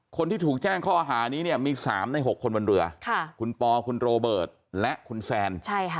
คนที่ถูกแจ้งข้อหานี้เนี่ยมี๓ใน๖คนบนเรือคุณปอคุณโรเบิร์ตและคุณแซน